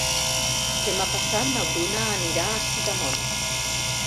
Demà passat na Bruna anirà a Sidamon.